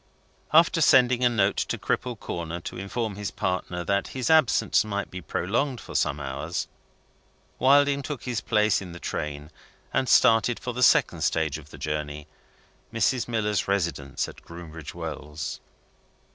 After sending a note to Cripple Corner to inform his partner that his absence might be prolonged for some hours, Wilding took his place in the train, and started for the second stage on the journey Mrs. Miller's residence at Groombridge Wells.